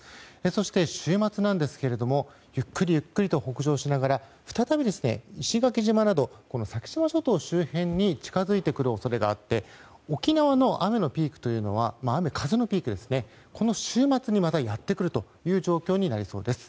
そして週末ですがゆっくりゆっくりと北上しながら再び、石垣島など先島諸島周辺に近づいてくる恐れがあって沖縄の雨風のピークはこの週末に、またやってくるという状況になりそうです。